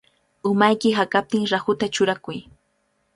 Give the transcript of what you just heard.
Umayki hakaptin rahuta churakuy.